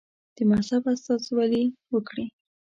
د مذهب استازولي وکړي.